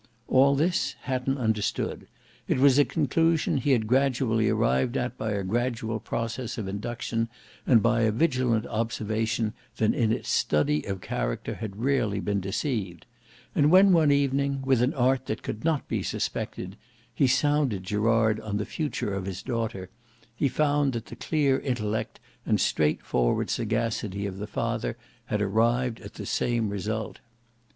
All this Hatton understood; it was a conclusion he had gradually arrived at by a gradual process of induction and by a vigilant observation that in its study of character had rarely been deceived; and when one evening with an art that could not be suspected, he sounded Gerard on the future of his daughter, he found that the clear intellect and straight forward sagacity of the father had arrived at the same result.